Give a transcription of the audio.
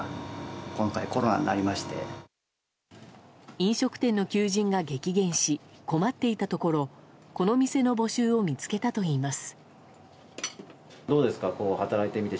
飲食店の求人が激減し困っていたところこの店の募集を見つけたといいます。